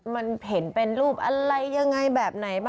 มันเห็นเป็นรูปอะไรยังไงแบบไหนบ้าง